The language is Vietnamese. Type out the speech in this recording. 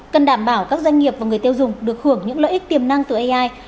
cần đảm bảo các doanh nghiệp và người tiêu dùng được hưởng những lợi ích tiềm năng từ ai